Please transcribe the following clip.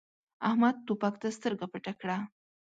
احمد توپک ته سترګه پټه کړه.